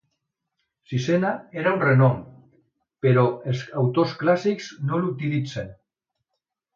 Sisena era un renom, però els autors clàssics no l'utilitzen.